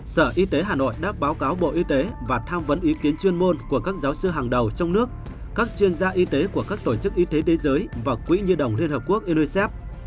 sở y tế hà nội đã báo cáo bộ y tế và tham vấn ý kiến chuyên môn của các giáo sư hàng đầu trong nước các chuyên gia y tế của các tổ chức y tế thế giới và quỹ như đồng liên hợp quốc unicef